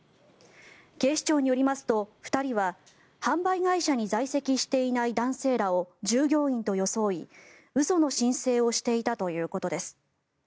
警視庁によりますと２人は販売会社に在籍していない男性らを従業員と装い嘘の申請をしていたということです。